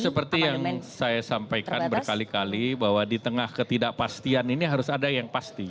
seperti yang saya sampaikan berkali kali bahwa di tengah ketidakpastian ini harus ada yang pasti